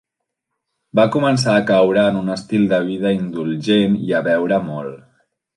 Va començar a caure en un estil de vida indulgent i a beure molt.